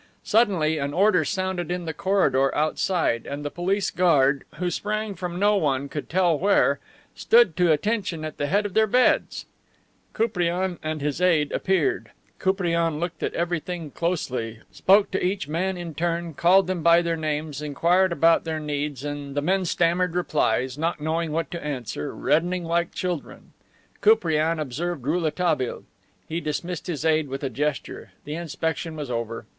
Suddenly an order sounded in the corridor outside, and the police guard, who sprang from no one could tell where, stood to attention at the head of their beds. Koupriane and his aide appeared. Koupriane looked at everything closely, spoke to each man in turn, called them by their names, inquired about their needs, and the men stammered replies, not knowing what to answer, reddening like children. Koupriane observed Rouletabille. He dismissed his aide with a gesture. The inspection was over.